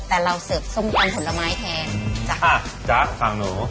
แต่เราเสิร์ฟส้มตำผลไม้แทนจ้ะค่ะจ๊ะฝั่งหนู